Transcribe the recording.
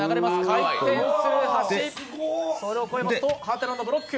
回転する橋、それを超えるとハテナブロック。